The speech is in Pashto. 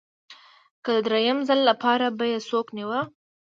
که د درېیم ځل لپاره به یې څوک نیوه